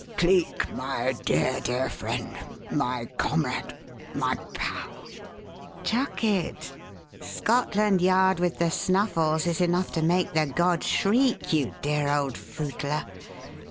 Cleek, my dear, dear friend my comrade my pal " "Chuck it! Scotland Yard with the snuffles is enough to make the gods shriek, you dear old footler!